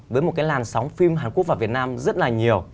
với một cái làn sóng phim hàn quốc và việt nam rất là nhiều